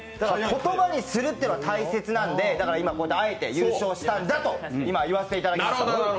言葉にするっていうのが大切なんで、今、こうやってあえて優勝したんだと言わせてもらいました。